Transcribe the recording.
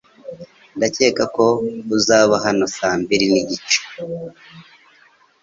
Ndakeka ko uzaba hano saa mbiri nigice .